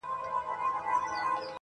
د زړه روح د زړه ارزښته قدم اخله~